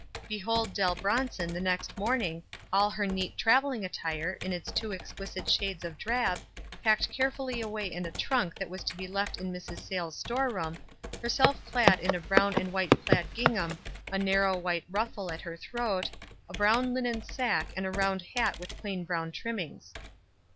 Behold Dell Bronson the next morning, all her neat traveling attire, in its two exquisite shades of drab, packed carefully away in a trunk that was to be left in Mrs. Sayles store room, herself clad in a brown and white plaid ging ham, a narrow white ruffle at her throat/ a brown linen sack, and a round hat with plain brown trimmings.